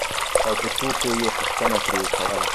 او په ټوکو یې پوښتنه ترې کوله